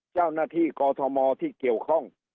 เจ้าหน้าที่กอทมที่เกี่ยวข้อง